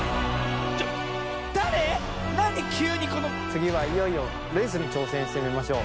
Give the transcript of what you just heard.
つぎはいよいよレースにちょうせんしてみましょう。